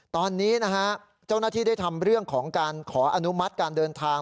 ตอนนี้นะฮะเจ้าหน้าที่ได้ทำเรื่องของการขออนุมัติการเดินทาง